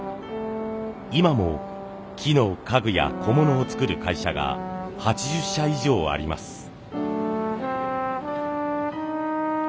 今も木の家具や小物を作る会社が８０社以上あります。